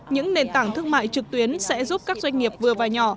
những nền tảng thương mại trực tuyến sẽ giúp các doanh nghiệp vừa và nhỏ